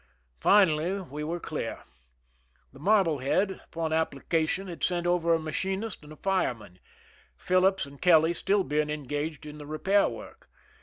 Finally we were clear. The Marblehead, upon application, had sent over a machinist and a fireman, Phillips and Kelly being still engaged in the repair work.